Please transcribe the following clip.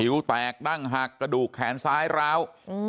แตกนั่งหักกระดูกแขนซ้ายร้าว